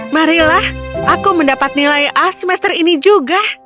marilah aku mendapat nilai a semester ini juga